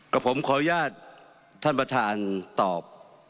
ผมขออนุญาตท่านประธานตอบ